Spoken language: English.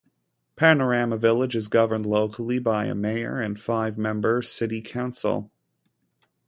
Panorama Village is governed locally by a mayor and five member city council.